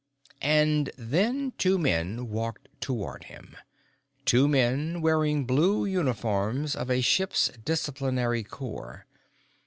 _ And then two men walked toward him two men wearing blue uniforms of a ship's Disciplinary Corps.